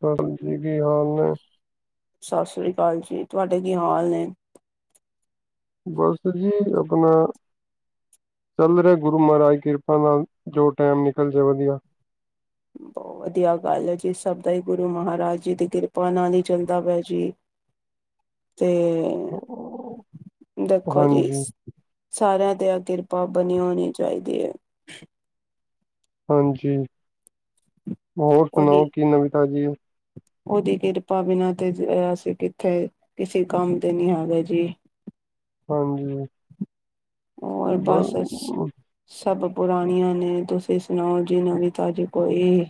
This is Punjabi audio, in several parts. ਸਰ ਜੀ, ਕੀ ਹਾਲ ਨੇ? ਸਤਿ ਸ੍ਰੀ ਅਕਾਲ ਜੀ, ਤੁਹਾਡੇ ਕੀ ਹਾਲ ਨੇ? ਬਸ ਜੀ ਆਪਣਾ ਚੱਲ ਰਿਹਾ ਗੁਰੂ ਮਹਾਰਾਜ ਕਿਰਪਾ ਨਾਲ ਜੋ ਟਾਈਮ ਨਿਕਲ ਜਾਵੇ ਵਧੀਆ। ਬਹੁਤ ਵਧੀਆ ਗੱਲ ਹੈ, ਜੀ ਸਭ ਦਾ ਹੀ ਗੁਰੂ ਮਹਾਰਾਜ ਜੀ ਦੀ ਕਿਰਪਾ ਨਾਲ ਹੀ ਚੱਲਦਾ ਪਿਆ ਜੀ। [inaudible] ਤੇ, ਦੇਖੋ ਜੀ। ਹਾਂਜੀ ਸਾਰਿਆਂ ਤੇ ਇਹ ਕਿਰਪਾ ਬਣੀ ਹੋਣੀ ਚਾਹੀਦੀ ਹੈ। ਹਾਂਜੀ ਹੋਰ ਉਹਦੀ ਸੁਣਾਓ ਕੀ ਨਵੀ ਤਾਜੀ? ਉਹਦੀ ਕਿਰਪਾ ਬਿਨਾਂ ਤੇ ਅਸੀਂ ਕਿੱਥੇ, ਕਿਸੇ ਕੰਮ ਦੇ ਨਹੀਂ ਹੈਗੇ ਜੀ। ਹਾਂਜੀ। ਹੋਰ ਬ ਬਸ ਸਭ ਪੁਰਾਣੀਆ ਨੇ ਤੁਸੀ ਸੁਣਾਓ ਜੀ ਨਵੀ ਤਾਜ਼ੀ ਕੋਈ।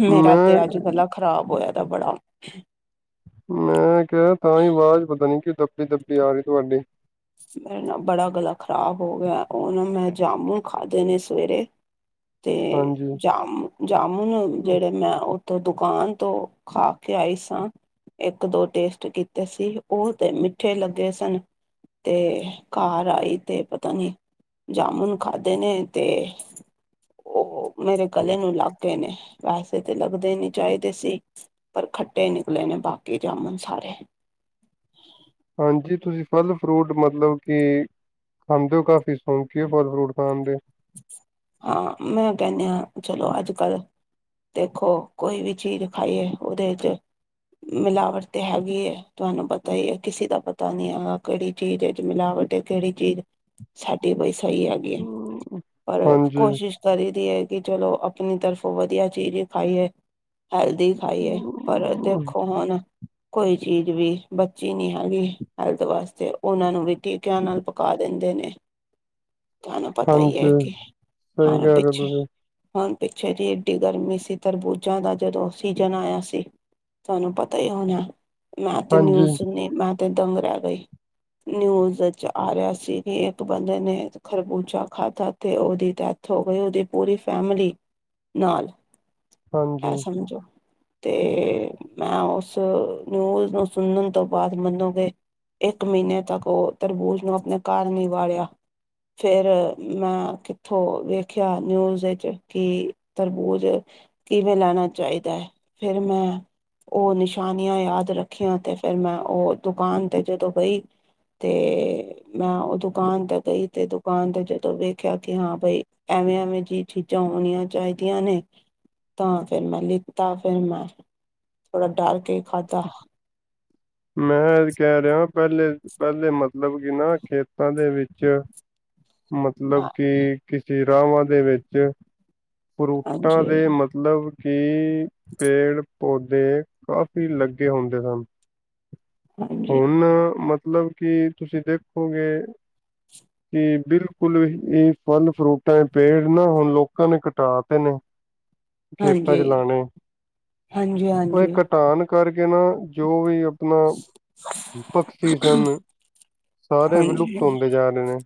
ਮੇਰਾ ਤੇ ਮੈਂ ਅੱਜ ਗਲਾ ਖ਼ਰਾਬ ਹੋਇਆ ਦਾ ਬੜਾ। ਮੈਂ ਕਿਹਾ ਤਾਹੀ ਆਵਾਜ਼ ਪਤਾ ਨੀ ਕਿ ਦੱਬੀ-ਦੱਬੀ ਆ ਰਹੀ ਤੁਹਾਡੀ। ਮੇਰੇ ਨਾ ਬੜਾ ਗਲਾ ਖ਼ਰਾਬ ਹੋ ਗਿਆ ਉਹ ਨਾ ਮੈਂ ਜਾਮੁਨ ਖਾਧੇ ਨੇ ਸਵੇਰੇ। [inaudible] ਤੇ ਹਾਂਜੀ ਜਾਮ ਜਾਮੁਨ ਜਿਹੜੇ ਮੈਂ ਉੱਥੋਂ ਦੁਕਾਨ ਤੋਂ ਖਾ ਕੇ ਆਈ ਸਾ। ਇੱਕ ਦੋ ਟੇਸਟ ਕੀਤੇ ਸੀ, ਉਹ ਤੇ ਮਿੱਠੇ ਲੱਗੇ ਸਨ। ਤੇ ਘਰ ਆਈ ਤੇ ਪਤਾ ਨੀ ਜਾਮੁਨ ਖਾਧੇ ਨੇ ਤੇ ਉਹ ਹੋ ਮੇਰੇ ਗਲੇ ਨੂੰ ਲੱਗ ਗਏ ਨੇ, ਵੈਸੇ ਤੇ ਲੱਗਦੇ ਨੀ, ਚਾਹੀਦੇ ਸੀ। ਪਰ ਖੱਟੇ ਨਿਕਲੇ ਨੇ ਬਾਕੀ ਜਾਮੁਨ ਸਾਰੇ। ਹਾਂਜੀ ਤੁਸੀਂ ਫਲ ਫਰੂਟ ਮਤਲਬ ਕਿ ਖਾਂਦੇ ਹੋ ਕਾਫ਼ੀ ਸੌਂਕੀ ਫਲ ਫਰੂਟ ਖਾਣ ਦੇ, ਹਾਂ ਮੈਂ ਕਹਿੰਦੇ ਆ ਚਲੋ ਅੱਜ ਕੱਲ ਦੇਖੋ ਕੋਈ ਵੀ ਚੀਜ਼ ਖਾਈਏ ਉਹਦੇ ਚ, ਮਿਲਾਵਟ ਤੇ ਹੈਗੀ ਹੈ ਤੁਹਾਨੂੰ ਪਤਾ ਹੀ ਹੈ, ਕਿਸੇ ਦਾ ਪਤਾ ਨੀ ਹੈਗਾ ਕਿਹੜੀ ਚੀਜ਼ ਮਿਲਾਵਟ ਹੈ, ਕਿਹੜੀ ਚੀਜ਼ ਸਾਡੀ ਬਈ ਸਹੀ ਹੈ। ਹੂੰ, ਪਰ ਕੋਸ਼ਿਸ਼ ਕਰੀ ਦੀ ਹੈ ਕਿ ਚਲੋ, ਆਪਣੀ ਤਰਫੋਂ ਵਧੀਆ ਚੀਜ਼ ਖਾਈਏ ਹੈਲਦੀ। ਖਾਈ ਏ ਪਰ ਦੇਖੋ ਹੁਣ ਕੋਈ ਚੀਜ਼ ਵੀ ਬੱਚੀ ਨਹੀਂ ਹੈਗੀ ਹੈਲਥ ਵਾਸਤੇ ਉਹਨਾਂ ਨੂੰ ਵੀ ਟੀਕਿਆਂ ਨਾਲ ਪਕਾ ਦਿੰਦੇ ਨੇ ਤੁਹਾਨੂੰ, ਪਤਾ ਹੀ ਐ ਹਾਂਜੀ ਕਿ ਸਹੀ ਹਰ ਕਹਿ ਰਹੇ ਹੋ ਪਿੱਛੇ ਤੁਸੀਂ ਹੁਣ ਪਿੱਛੇ ਜੇ ਐਡੀ ਗਰਮੀ ਸੀ ਤਰਬੂਜਾਂ ਦਾ ਜਦੋਂ ਸੀਜਨ ਆਇਆ ਸੀ। ਤੁਹਾਨੂੰ ਪਤਾ ਹੀ ਹੋਣਾ ਮੈਂ ਤੇ ਹਾਂਜੀ ਨਿਊਜ਼ ਸੁਣੀ ਮੈਂ ਤੇ ਦੰਗ ਰਹਿ ਗਈ ਨਿਊਜ਼ ਵਿਚ ਆ ਰਿਹਾ ਸੀ ਕਿ ਇੱਕ ਬੰਦੇ ਨੇ ਖਰਬੂਜਾ ਖਾਧਾ ਤੇ ਉਹਦੀ ਡੈਥ ਹੋ ਗਈ ਉਹਦੀ ਪੂਰੀ ਫੈਮਲੀ ਨਾਲ। ਆਹ ਹਾਂਜੀ ਸਮਝੋ ਤੇ ਮੈਂ ਉਸ ਨਿਊਜ਼ ਨੂੰ ਸੁਣਨ ਤੋਂ ਬਾਅਦ ਮੰਨੋਗੇ, ਇੱਕ ਮਹੀਨੇ ਤੱਕ ਉਹ ਤਰਬੂਜ਼ ਨੂੰ ਆਪਣੇ ਘਰ ਨੀ ਵਾੜਿਆ ਫੇਰ। ਮੈਂ ਕਿੱਥੋਂ ਵੇਖਿਆ ਨਿਊਜ਼ ਵਿਚ ਕਿ ਤਰਬੂਜ ਕਿਵੇਂ ਲਾਣਾ ਚਾਹੀਦਾ ਫਿਰ ਮੈਂ ਉਹ ਨਿਸ਼ਾਨੀਆਂ ਯਾਦ ਰੱਖੀਆਂ ਤੇ ਫਿਰ ਮੈਂ ਉਹ ਦੁਕਾਨ ਤੇ ਜਦੋਂ ਗਈ। ਤੇ ਮੈਂ ਉਹ ਦੁਕਾਨ ਤੇ ਗਈ ਤੇ ਦੁਕਾਨ ਤੇ ਵੇਖਿਆ ਕਿ ਹਾਂ ਬਈ ਐਵੇਂ ਐਵੇਂ ਜਿਹੀ ਚੀਜ਼ਾਂ ਹੋਣੀਆਂ ਚਾਹੀਦੀਆਂ ਨੇ। ਤਾਂ ਫੇਰ ਮੈਂ ਲਿੱਤਾ ਫੇਰ ਮੈਂ ਥੋੜਾ ਡਰ ਕੇ ਖਾਧਾ। ਮੈਂ ਕਹਿ ਰਿਹਾ ਪਹਿਲੇ ਪਹਿਲੇ ਮਤਲਬ ਕਿ ਨਾ ਖੇਤਾਂ ਦੇ ਵਿੱਚ ਮਤਲਬ ਕਿ ਕਿਸੀ ਰਾਵਾਂ ਦੇ ਵਿੱਚ ਫਰੂਟਾਂ ਹਾਂਜੀ ਦੇ ਮਤ ਲਬ ਕਿ ਪੇੜ ਪੌਦੇ ਕਾਫ਼ੀ ਲੱਗੇ ਹੁੰਦੇ ਸਨ। ਹਾਂਜੀ ਹੁਣ ਮਤਲਬ ਮਤਲਬ ਕਿ ਤੁਸੀਂ ਦੇਖੋਗੇ ਕਿ ਬਿਲਕੁਲ ਇਹ ਫਲ ਫਰੂਟਾਂ ਪੇੜ ਨਾ ਹੁਣ ਲੋਕਾਂ ਨੇ ਕਟਾ ਤੇ ਨੇ। ਖੇਤਾਂ ਚ ਹਾਂਜੀ ਲਾਣੇ ਹਾਂਜੀ ਉਹ ਇਹ ਹਾਂਜੀ ਘਟਾਨ ਕਰਕੇ ਨਾ ਜੋ ਵੀ। ਆਪਣਾ ਪਕਸ਼ੀ ਸਨ ਸਾਰੇ ਹਾਂਜੀ ਵਿਲੁਪਤ ਹੁੰਦੇ ਜਾ ਰਹੇ ਨੇ।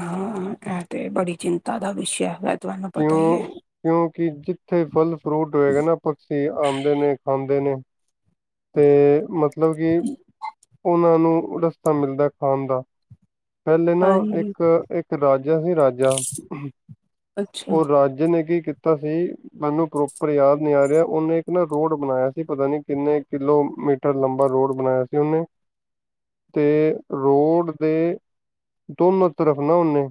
ਹਾਂ, ਇਹ ਤੇ ਬੜੀ ਚਿੰਤਾ ਦਾ ਵਿਸ਼ਾ। ਤੁਹਾਨੂੰ ਪਤਾ ਹੀ ਹੈ। ਕਿਉਂ ਕਿਉਂਕਿ ਜਿੱਥੇ ਫਲ ਫਰੂਟ ਹੋਏਗਾ ਨਾ। ਪਕਸ਼ੀ ਆਂਦੇ ਨੇ ਖਾਂਦੇ ਨੇ। ਤੇ ਮਤਲਬ ਕਿ ਉਹਨਾਂ ਨੂੰ ਰਸਤਾ ਮਿਲਦਾ ਖਾਣ ਦਾ। ਪਹਿਲੇ ਨਾ ਹਾਂਜੀ ਇੱਕ ਇੱਕ ਰਾਜਾ ਸੀ ਰਾਜਾ ਅੱਛਾ ਉਹ ਰਾਜ ਨੇ ਕੀ ਤਾਂ ਸੀ ਮੈਨੂੰ ਪ੍ਰੋਪਰ ਯਾਦ ਨੀ ਆ ਰਿਹਾ ਉਹਨੇ ਇੱਕ ਨਾ ਰੋਡ ਬਣਾਇਆ ਸੀ ਪਤਾ ਨੀ ਕਿੰਨੇ ਕਿਲੋਮੀਟਰ ਲੰਬਾ ਰੋਡ ਬਣਾਇਆ ਸੀ ਉਹਨੇ ਤੇ ਰੋੜ ਦੇ ਦੋਨੋ ਤਰਫ ਨਾ ਉਹਨੇ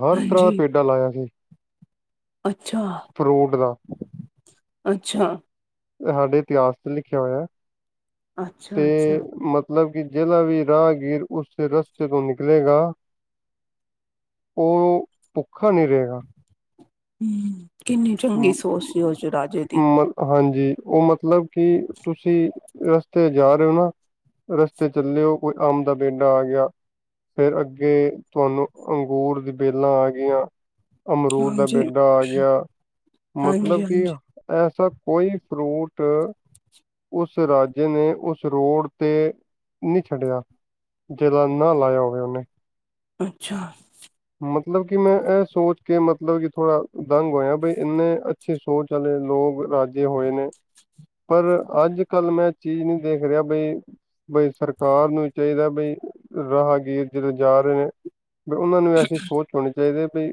ਹਰ ਤਰ੍ਹਾਂ ਦਾ ਹਾਂਜੀ ਪੈਂਡਾ ਲਾਇਆ ਸੀ। ਅੱਛਾ ਫਰੂਟ ਦਾ ਅੱਛਾ। ਸਾਡੇ ਇਤਿਹਾਸ ਚ ਲਿਖਿਆ ਹੋਇਆ ਤੇ ਅੱਛਾ ਅੱਛਾ ਮ ਤਲਬ ਕਿ ਜਿਹੜਾ ਵੀ ਰਾਹਗੀਰ ਉਸ ਰਸਤੇ ਤੋਂ ਨਿਕਲੇਗਾ। ਉਹ ਭੁੱਖਾ ਨਹੀਂ ਰਹੇਗਾ। ਹੀ, ਕਿੰਨੀ ਚੰਗੀ ਸੋਚ ਸੀ ਉਸ ਰਾਜੇ ਦੀ। ਹਾਂਜੀ, ਉਹ ਮਤਲਬ ਕਿ ਤੁਸੀਂ ਰਸਤੇ ਜਾ ਰਹੇ ਹੋ ਨਾ ਰਸਤੇ ਚੱਲਿਓ ਕੋਈ ਆਮ ਦਾ ਪੇਡਾ ਆ ਗਿਆ। ਫੇਰ ਅੱਗੇ ਤੁਹਾਨੂੰ ਅੰਗੂਰ ਦੀ ਵੇਲਾਂ ਆ ਗਈਆਂ। ਅਮਰੂਦ ਦਾ ਹਾਂਜੀ ਪੇਡਾ ਆ ਗਿਆ। ਹਾਂਜੀ ਮਤਲਬ ਕਿ ਹਾਂਜੀ ਐਸਾ ਕੋਈ ਫਰੂਟ। ਉਸ ਰਾਜੇ ਨੇ ਉਸ ਰੋਡ ਤੇ ਨੀ ਛੱਡਿਆ। ਜਿਹੜਾ ਨਾ ਲਾਇਆ ਹੋਵੇ ਉਹਨੇ। ਅੱਛਾ, ਮਤਲਬ ਕਿ ਮੈਂ ਇਹ ਸੋਚ ਕੇ ਮਤਲਬ ਕਿ ਥੋੜਾ ਦੰਗ ਹੋਇਆ ਬਈ ਇੰਨੇ ਅੱਛੇ ਸੋਚ ਵਾਲੇ ਲੋਕ ਰਾਜੇ ਹੋਏ ਨੇ। ਪਰ ਅੱਜ-ਕੱਲ ਮੈਂ ਚੀਜ਼ ਨਹੀਂ ਦੇਖ, ਰਿਹਾ ਬਈ ਬਈ ਸਰਕਾਰ ਨੂੰ ਚਾਹੀਦਾ, ਬਈ ਰਾਹਗੀਰ ਜਦੋਂ ਜਾ ਰਹੇ ਨੇ ਉਹਨਾਂ। ਅਂ ਸੋਚ ਹੋਣੀ ਚਾਹੀਦੀ ਹੈ,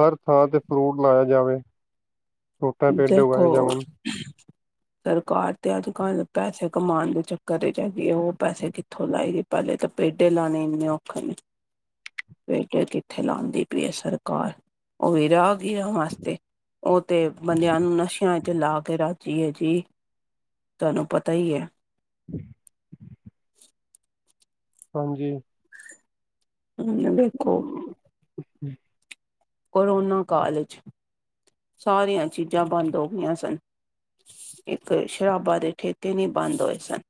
ਹਰ ਥਾਂ ਤੇ ਫਰੂਟ ਲਾਇਆ ਜਾਵੇ। ਉਹਟਾ ਪੇਟ ਦੇਖੋ [unintelligible] ਸਰਕਾਰ ਤੇ ਅੱਜ-ਕੱਲ ਪੈਸੇ ਕਮਾਉਣ ਦੇ ਚੱਕਰ ਚ ਜਾ ਹੈਗੀ, ਉਹ ਪੈਸੇ ਕਿੱਥੋਂ ਲਾਏ ਗਏ। ਪਹਿਲੇ ਤਾਂ ਪੇਡੇ ਲਾਣੇ ਇੰਨੇ ਔਖੇ ਨੇ [unintelligible] ਪੇਡੇ ਕਿੱਥੇ ਲਾਉਂਦੀ ਪਈਏ, ਸਰਕਾਰ ਉਹ ਵੀ ਰਾਹਗੀਰ ਵਾਸਤੇ ਉਹ ਤੇ। ਬੰਦਿਆਂ ਨੂੰ ਨਸ਼ਿਆਂ ਇੱਥੇ ਲਾ ਕੇ ਰਾਜੀ ਹੈ, ਜੀ ਤੁਹਾਨੂੰ ਪਤਾ ਹੀ ਹੈ। [unintelligible] ਹਾਂਜੀ। [unintelligible] [unintelligible] ਕੋਰੋਨਾ ਕਾਲ ਚ ਸਾਰੀਆਂ ਚੀਜ਼ਾਂ ਬੰਦ ਹੋ ਗਈਆਂ ਸਨ। ਇੱਕ ਸ਼ਰਾਬਾ ਦੇ ਠੇਕੇ ਨੀ ਬੰਦ ਹੋਏ ਸਨ।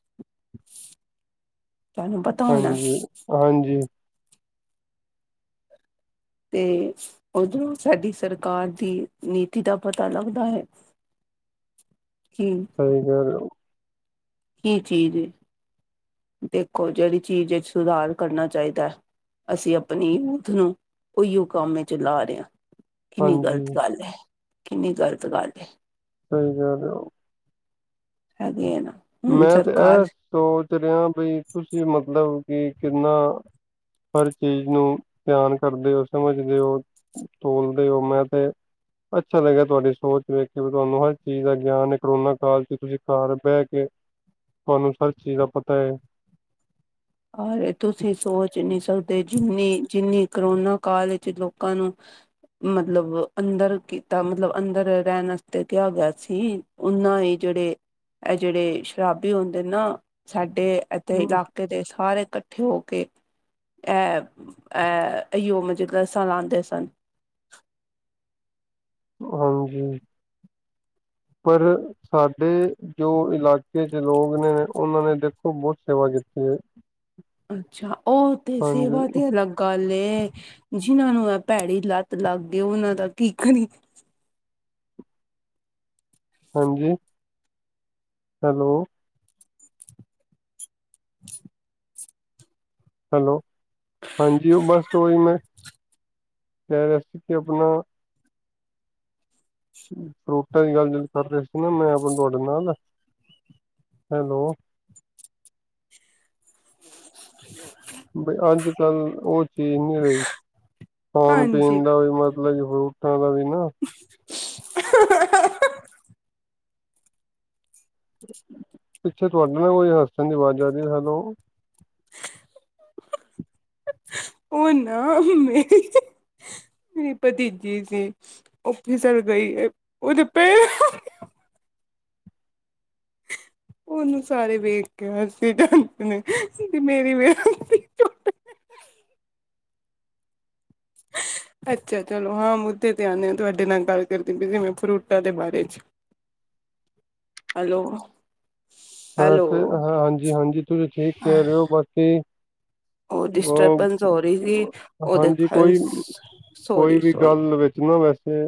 ਸਾਨੂੰ ਪਤਾ। ਹੋਣਾ ਹਾਂਜੀ ਹਾਂਜੀ, ਤੇ ਉਦੋਂ ਸਾਡੀ ਸਰਕਾਰ ਦੀ ਨੀਤੀ ਦਾ ਪਤਾ ਲੱਗਦਾ ਹੈ। ਹੂੰ, [unintelligible] ਕੀ ਚੀਜ਼ ਏ ਦੇਖੋ ਜਿਹੜੀ ਚੀਜ਼ ਵਿੱਚ ਸੁਧਾਰ ਕਰਨਾ ਚਾਹੀਦਾ ਹੈ। ਅਸੀਂ ਆਪਣੀ ਯੂਥ ਨੂੰ ਔਈਓ ਕਮ ਚ ਲਾ ਰਹੇ ਹਾਂ। ਕਿੰਨੀ ਹਾਂਜੀ ਗ਼ਲਤ ਗੱਲ ਹੈ, ਕਿੰਨੀ ਗ਼ਲਤ ਗੱਲ ਹੈ। ਸਹੀ ਗੱਲ ਐ। [unintelligible] ਮੈਂ ਤੇ ਸਰਕਾਰ ਇਹ ਸੋਚ ਰਿਹਾ, ਬ ਤੁਸੀਂ ਮਤਲਬ ਕਿ ਕਿੰਨਾ ਹਰ ਚੀਜ਼ ਨੂੰ ਧਿਆਨ ਕਰਦੇ ਹੋ ਸਮਝਦੇ ਹੋ। ਤੋਲਦੇ ਹੋ ਮੈਂ ਤੇ ਅੱਛਾ ਲੱਗਿਆ, ਤੁਹਾਡੀ ਸੋਚ ਵਖ ਤੁਹਾਨੂੰ ਹਰ ਚੀਜ਼ ਦਾ ਗਿਆਨ ਹੈ, ਕਰੋਨਾ ਕਾਲ ਚ ਤੁਸੀਂ ਘਰ ਬਹਿ ਕੇ ਅਨੁਸਾਰ ਚੀਜ਼ ਦਾ ਪਤਾ ਹੈ। ਅਰ ਤੁਸੀਂ ਸੋਚ ਨਹੀਂ ਸਕਦੇ, ਜਿੰਨੀ ਜਿੰਨੀ ਕਰੋਨਾ ਕਾਲ ਵਿੱਚ ਲੋਕਾਂ ਨੂੰ। ਮਤਲਬ ਅੰਦਰ ਕੀਤਾ, ਮਤਲਬ ਅੰਦਰ ਰਹਿਣ ਵਾਸਤੇ ਕਿਹਾ ਗਿਆ ਸੀ। ਉਹਨਾਂ ਹੀ ਜਿਹੜੇ ਇਹ ਜਿਹੜੇ ਸ਼ਰਾਬੀ ਹੁੰਦੇ ਨਾ ਸਾਡੇ ਇੱਥੇ ਇਲਾਕੇ ਦੇ ਸਾਰੇ ਇਕੱਠੇ ਹੋ ਕੇ। ਇਹੋ ਅ ਔਵੇ ਗੈੱਸਾ ਲਾਉਂਦੇ ਸਨ। ਹਾਂਜੀ। ਪਰ ਸਾਡੇ ਜੋ ਇਲਾਕੇ ਚ ਲੋਕ ਨੇ ਉਹਨਾਂ ਨੇ। ਖੂਬ ਬਹੁਤ ਸੇਵਾ ਕੀਤੀ ਕੀਤੀ। ਅੱਛਾ ਉਹ ਤੇ ਸੇਵਾ ਤੇ ਅਲੱਗ ਕੱਲ ਜਿਨਾਂ ਨੂੰ ਭੈੜੀ ਲੱਤ ਲੱਗ ਗਈ, ਉਹਨਾਂ ਦਾ ਕੀ ਕਰੀ। ਹਾਂਜੀ, ਹੈਲੋ। [unintelligible] ਹੈਲੋ, ਹਾਂਜੀ ਉਹ ਬਸ ਉਹੀ ਮੈਂ ਕਹਿ ਰਿਹਾ ਸੀ, ਕਿ ਆਪਣਾ ਫਰੂਟਾਂ ਦੀ ਗੱਲ ਕਰ ਰਹੇ ਸੀ, ਨਾ ਮੈਂ ਆਪਾਂ ਤੁਹਾਡੇ ਨਾਲ, ਹੈਲੋ। ਬ ਅੱਜ, ਕੱਲ ਉਹ ਚੀਜ਼ ਨਹੀਂ ਰਹੀ, ਖਾਣ-ਪੀਣ ਹਾਂਜੀ ਦਾ ਵੀ ਮਤਲਬ ਮਤਲਬ ਫਰੂਟਾਂ ਦਾ ਵੀ ਨਾ [unintelligible] ਪਿੱਛੇ ਤੁਹਾਡੇ ਨਾਲ ਕੋਈ ਹੱਸਣ ਦੀ ਆਵਾਜ਼ ਆਦੀ ਹੈਲੋ। [unintelligible] ਉਹ ਨਾ ਮੇ। ਮੇਰੀ ਭਤੀਜੀ ਸੀ ਓ ਫਿਸਰ ਗਈ ਉਹਦੇ ਪ ਉਹਨੂੰ ਸਾਰੇ ਵੇਖ ਕੇ ਹੱਸੀ ਜਾਂਦੇ ਨੇ ਵੀ ਮੇਰੀ ਅੱਛਾ, ਚਲੋ ਹਾਂ ਮੁੱਦੇ ਤੇ ਆਉਂਦੇ ਆ ਤੁਹਾਡੇ ਨਾਲ ਗੱਲ ਕਰਦੀ ਪਈ ਸੀ ਮੈਂ ਫਰੂਟਾਂ ਦੇ ਬਾਰੇ ਚ। ਹੈਲੋ। ਹੈਲੋ ਅ ਹਾਂਜੀ, ਹਾਂਜੀ ਤੁਸੀਂ ਠੀਕ ਕਹਿ ਰਹੇ ਹੋ ਬਾਕੀ। ਉਹ ਡਿਸਟਰਬੈਂਸ ਹੋ ਰਹੀ ਸੀ ਉਹ ਉਹਦੇ ਹਾਂਜੀ ਕਾਰਨ ਕੋਈ ਕੋਈ ਸੋਰੀ ਵੀ ਸੋਰੀ ਗੱਲ ਵਿੱਚ ਇੱਕ ਨਾ ਵੈਸੇ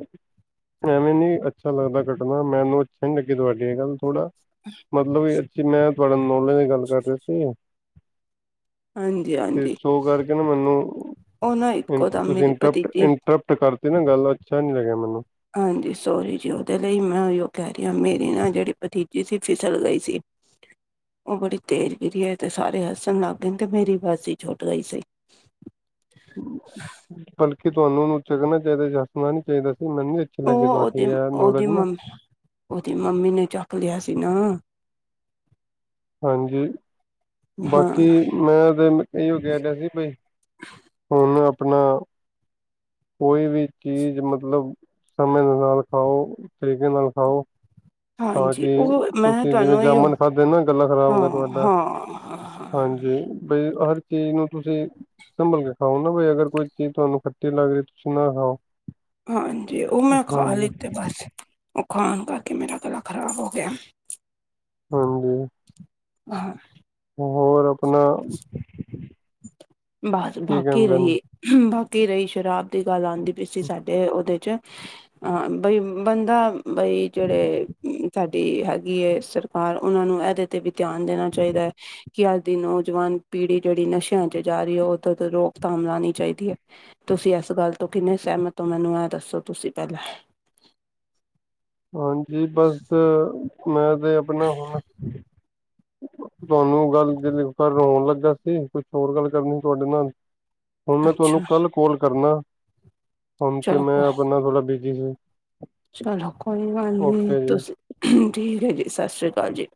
ਐਵੇਂ ਨੀ ਅੱਛਾ ਲੱਗਦਾ ਕੱਟਣਾ ਮੈਨੂੰ ਅੱਛਾ ਨੀ ਲੱਗੀ ਤੁਹਾਡੇ ਏ ਗੱਲ ਥੋੜਾ [unintelligible] ਮਤਲਬ ਵੀ ਅੱਛੀ ਮੈਂ ਤੁਹਾਡੇ ਨੌਲੇਜ ਦੀ ਗੱਲ ਕਰ ਰਿਹਾ ਸੀ। ਹਾਂਜੀ ਤੇ ਹਾਂਜੀ ਸ਼ੋ ਕਰਕੇ ਨਾ ਉਹ ਨਾ ਮੈਨੂੰ ਇੱਕੋ ਦਮ ਤੁਸੀਂ ਮੇਰੀ ਇੰਟਰਪਟ ਭਤੀਜੀ ਇੰਟਰਪਟ ਕਰ ਤੇ ਨਾ ਗੱਲ ਅੱਛਾ ਨੀ ਲੱਗਿਆ ਮੈਨੂੰ ਹਾਂਜੀ, ਸੋਰੀ ਜੀ ਉਹਦੇ ਲਈ ਮੈਂ ਉ ਕਹਿ ਰਹੀ ਹਾਂ ਮੇਰੀ ਨਾ ਜਿਹੜੀ ਭਤੀਜੀ ਸੀ ਫਿਸਲ ਗਈ ਸੀ। [unintelligible] ਉਹ ਬੜੀ ਤੇਜ਼ ਗਿਰੀ ਐ। ਤੇ ਸਾਰੇ ਹੱਸਣ ਲੱਗ ਗਏ ਤੇ ਮੇਰੀ ਬਸ ਹੀ ਛੁੱਟ ਗਈ ਸੀ। ਬਲਕਿ ਤੁਹਾਨੂੰ ਉਹਨੂੰ ਚਕਨਾ ਚਾਹੀਦਾ ਸੀ ਹੱਸਨਾ ਨੀ ਚਾਹੀਦਾ ਸੀ ਮੈਨੂੰ। ਅੱਛੀ ਲੱਗੀ ਉਹ ਤੁਹਾਡੀ ਉਹਦੇ ਇਹ ਉਹਦੀ ਨੌਲੇਜ ਨਾ ਮੰਮੀ ਉਹ ਓਦੀ ਮੰਮੀ ਨੇ ਚੱਕ ਲਿਆ ਸੀ ਨਾ ਹਾਂਜੀ ਹਾਂ ਬਾਕੀ, ਮੈਂ ਤੇ ਇਹੀਓ ਕਹਿ ਰਿਹਾ ਸੀ ਬਈ ਹੁਣ ਆਪਣਾ ਕੋਈ ਵੀ ਚੀਜ਼ ਮਤਲਬ ਸਮੇਂ ਦੇ ਨਾਲ ਖਾਓ ਤਰੀਕੇ ਨਾਲ ਖਾਓ ਤਾਂ ਹਾਂਜੀ ਕਿ ਉਹ ਮੈਂ ਤੁਸੀਂ ਜਿਵੇਂ ਤੁਹਾਨੂੰ ਇਹੀਓ ਜਾਮਣ ਖਾਧੇ ਨਾ ਗਲਾ ਖ਼ਰਾਬ ਗਿਆ ਹਾਂ ਤੁਹਾਡਾ ਹਾਂ ਹਾਂਜੀ। ਬਈ ਹਰ ਚੀਜ਼ ਨੂੰ ਤੁਸੀਂ ਸੰਭਲ ਕੇ ਖਾਓ ਨਾ ਵੀ ਅਗਰ ਕੋਈ ਚੀਜ਼ ਤੁਹਾਨੂੰ ਖੱਟੀ ਲੱਗ ਰਹੀ ਤੁਸੀਂ ਨਾ ਖਾਓ ਹਾਂਜੀ, ਉਹ ਮੈਂ ਖਾ ਹਾਂਜੀ ਲਿੱਤੇ ਬਸ। ਉਹ ਖਾਣ ਕਰਕੇ ਮੇਰਾ ਗਲਾ ਖ਼ਰਾਬ ਹੋ ਗਿਆ। ਹਾਂਜੀ। [unintelligible] ਹੋਰ ਆਪਣਾ ਬਸ ਕੀ ਬਾਕੀ ਕਹਿੰਦੇ ਨੇ ਰਹੀ। ਬਾਕੀ ਰਹੀ ਸ਼ਰਾਬ ਦੀ ਗੱਲ ਆਉਂਦੀ ਪੀ ਸੀ ਸਾਡੇ ਉਹਦੇ 'ਚ। ਹਾਂ, ਬਈ ਬੰਦਾ ਬਈ ਜਿਹੜੇ ਸਾ ਡੀ ਜਿਹੜੀ ਹੈਗੀ ਸਰਕਾਰ ਉਹਨਾ ਨੂੰ ਇਹਦੇ ਤੇ ਵੀ ਧਿਆਨ ਦੇਣਾ ਚਾਹੀਦਾ ਕਿ ਅੱਜ ਦੀ ਨੋ ਜਵਾਨ ਪੀੜੀ ਜਿਹੜੀ ਨਸ਼ਿਆਂ ਚ ਜਾ ਰਹੀ ਆ ਉਦ ਤੋਂ ਰੋਕਥਾਮ ਲਾਉਣੀ ਚਾਹੀਦੀ ਆ। ਤੁਸੀਂ ਇਸ ਗੱਲ ਤੋਂ ਕਿੰਨੇ ਸਹਿਮਤ ਹੋ। ਮੈਨੂੰ ਆ ਦੱਸੋ ਤੁਸੀਂ ਪਹਿਲਾਂ। ਹਾਂਜੀ ਬਸ ਮੈਂ ਤੇ ਆਪਣਾ ਹੁਣ। ਤੁਹਾਨੂੰ ਗੱਲ [unintelligible] ਰੋਣ ਲੱਗਾ ਸੀ ਕੁਛ ਹੋਰ ਗੱਲ ਕਰਨੀ ਤੁਹਾਡੇ ਨਾਲ। ਹੁਣ ਮੈਂ ਤੁਹਾਨੂੰ ਅੱਛਾ ਕੱਲ ਕੋਲ ਕਰਨਾ ਹੁਣ ਤੇ ਚਲੋ ਮੈਂ ਆਪ ਨਾਲ ਥੋੜ੍ਹਾ ਬਿਜੀ ਸੀ। ਚਲੋ ਕੋਈ ਗੱਲ ਨੀ। ਓਕੇ ਜੀ ਤੁਸੀਂ ਠੀਕ ਐ ਜੀ ਸਤਿ ਸ਼੍ਰੀ ਅਕਾਲ ਜੀ।